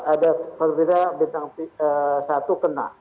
ada perwira satu kena